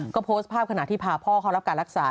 ก็โพสต์ภาพขณะที่พาพ่อเขารับการรักษา